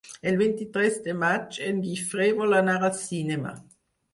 El vint-i-tres de maig en Guifré vol anar al cinema.